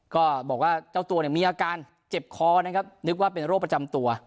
ก็บอกว่าเจ้าตัวเนี่ยมีอาการเจ็บคอนะครับนึกว่าเป็นโรคประจำตัว